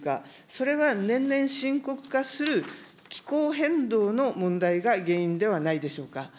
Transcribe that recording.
それは年々深刻化する気候変動の問題が原因ではないでしょうか。